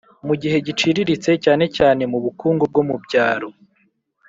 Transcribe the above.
mu gihe giciriritse cyane cyane mu bukungu bwo mu byaro